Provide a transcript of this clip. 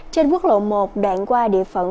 trên quốc lộ một đoạn qua địa phận